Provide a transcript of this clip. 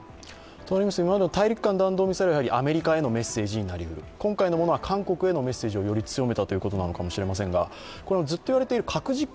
今までの大陸間弾道ミサイルはアメリカへのメッセージになりうる、今回のものは韓国へのメッセージをより強めたということかもしれませんが、ずっと言われている核実験